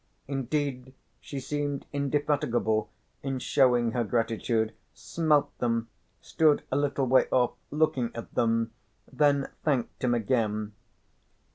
Indeed she seemed indefatigable in shewing her gratitude, smelt them, stood a little way off looking at them, then thanked him again.